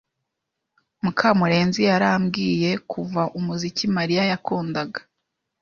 Mukamurenzi yarambiwe kumva umuziki Mariya yakundaga.